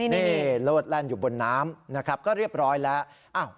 นี่โลดแล่นอยู่บนน้ำนะครับก็เรียบร้อยแล้ว